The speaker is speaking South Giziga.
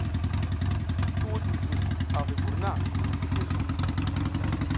Ki wuɗ duvus a vi mbur na, ki sli ləh.